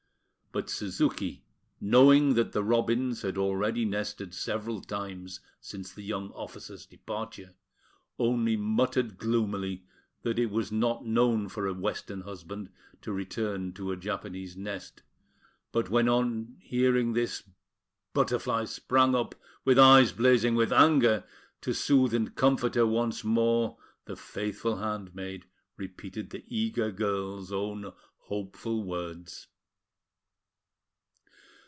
But Suzuki, knowing that the robins had already nested several times since the young officer's departure, only muttered gloomily that it was not known for a Western husband to return to a Japanese nest; but when on hearing this Butterfly sprang up with eyes blazing with anger, to soothe and comfort her once more the faithful handmaid repeated the eager girl's own hopeful words.